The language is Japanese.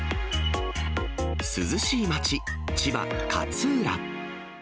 涼しい町、千葉・勝浦。